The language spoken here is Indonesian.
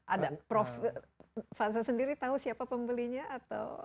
ada prof fansa sendiri tahu siapa pembelinya atau